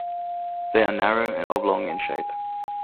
They are narrow and oblong in shape.